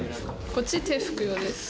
こっち、手拭く用です。